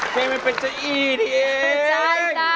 เพลงมันเป็นเจ้าอี้นี่เอง